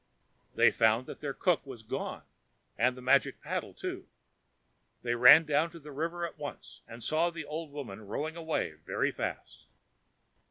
They found that their cook was gone, and the magic paddle, too. They ran down to the river at once, and saw the old woman rowing away very fast.